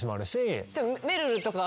めるるとか。